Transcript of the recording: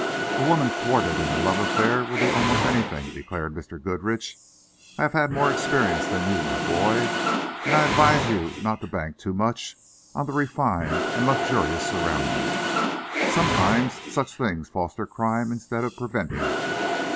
"A woman thwarted in her love affair will do almost anything," declared Mr. Goodrich. "I have had more experience than you, my boy, and I advise you not to bank too much on the refined and luxurious surroundings. Sometimes such things foster crime instead of preventing it.